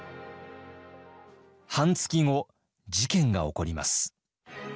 半月後事件が起こります。